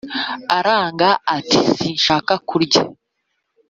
aranga ati “sinshaka kurya”